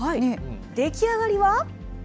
出来上がりは？